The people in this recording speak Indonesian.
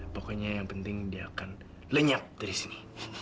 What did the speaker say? pokoknya yang penting dia akan lenyap dari sini